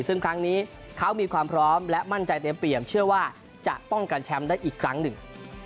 ซึ่งครั้งนี้เขามีความพร้อมและมั่นใจเตรียมเปรียมเชื่อว่าจะป้องกันแชมป์ได้อีกครั้งหนึ่ง